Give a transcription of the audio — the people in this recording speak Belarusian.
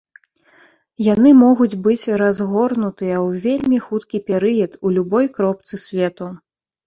Яны могуць быць разгорнутыя ў вельмі хуткі перыяд у любой кропцы свету.